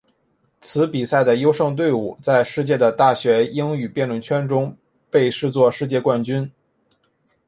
此比赛的优胜队伍在世界的大学英语辩论圈中被视作世界冠军。